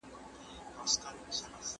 د اوبو بندونه د کرني د ودي لپاره جوړيږي.